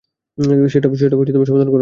সেটাও সমাধান করুন একসাথে।